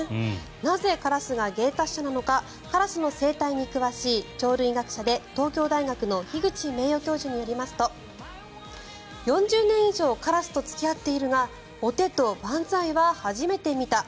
なぜカラスが芸達者なのかカラスの生態に詳しい鳥類学者で東京大学の樋口名誉教授によりますと４０年以上カラスと付き合っているがお手と万歳は初めて見た。